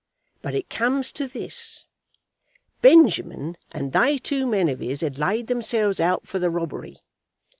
But it comes to this. Benjamin, and they two men of his, had laid themselves out for the robbery.